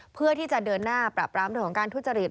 เพื่อที่จะเดินหน้าปรับรามเรื่องของการทุจริต